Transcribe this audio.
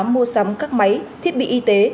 mua sắm các máy thiết bị y tế